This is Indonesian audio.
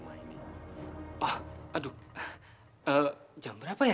mas denger gak